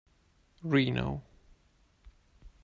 Reno.